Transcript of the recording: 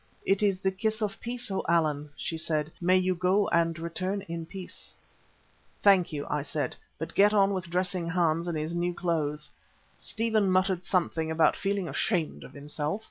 "It is the kiss of peace, O Allan," she said. "May you go and return in peace." "Thank you," I said, "but get on with dressing Hans in his new clothes." Stephen muttered something about feeling ashamed of himself.